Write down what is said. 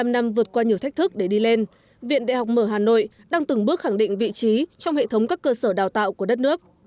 bảy mươi năm năm vượt qua nhiều thách thức để đi lên viện đại học mở hà nội đang từng bước khẳng định vị trí trong hệ thống các cơ sở đào tạo của đất nước